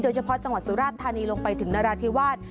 เฉพาะจังหวัดสุราชธานีลงไปถึงนราธิวาส